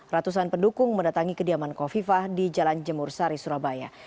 ratusan pendukung mendatangi kediaman kofifah di jalan jemur sari surabaya